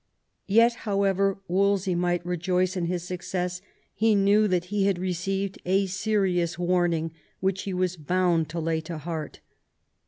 '* Yet^ however Wolsey might rejoice in his success, he knew that he had received a serious warning, which he was bound to lay to heart.